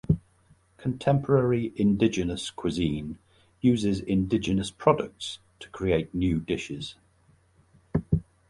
Contemporary indigenous cuisine uses indigenous products to create new dishes.